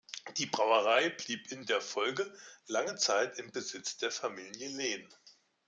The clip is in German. Die Brauerei blieb in der Folge lange Zeit im Besitz der Familie Lehn.